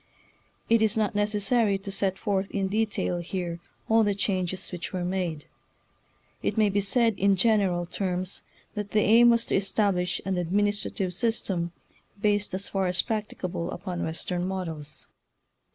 It is not necessary to set forth in detail here all the changes which were made. It may be said in gen eral terms that the aim was to establish an administrative system based as far as practicable upon Western models.